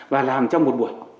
và làm trong một buổi